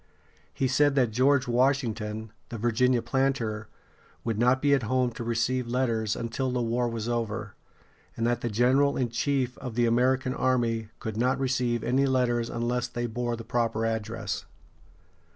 He said that George Washington, the Virginia planter, would not be at home to receive letters until the war was over, and that the general in chief of the American army could not receive any letters unless they bore the proper address.